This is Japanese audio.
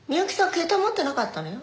携帯持ってなかったのよ。